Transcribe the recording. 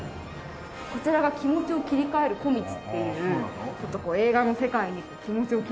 こちらが気持ちを切り替える小道っていうちょっとこう映画の世界に気持ちを切り替えていくような。